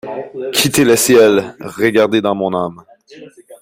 Quittez le ciel ; regardez dans mon âme!